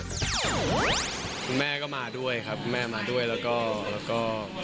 คุณแม่ก็มาด้วยครับคุณแม่มาด้วยแล้วก็